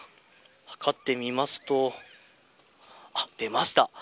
計ってみますと出ました。